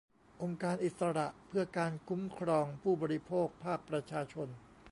องค์การอิสระเพื่อการคุ้มครองผู้บริโภคภาคประชาชน